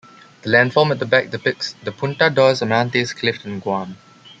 The landform at the back depicts the Punta Dos Amantes cliff on Guam.